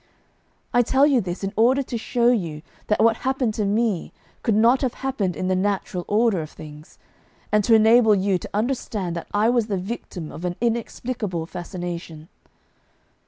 I tell you this in order to show you that what happened to me could not have happened in the natural order of things, and to enable you to understand that I was the victim of an inexplicable fascination.